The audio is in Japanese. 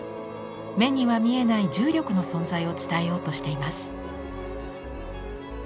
目には見えない重力の存在を伝えようとしています。